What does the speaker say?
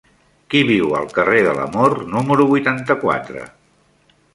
Qui viu al carrer de l'Amor número vuitanta-quatre?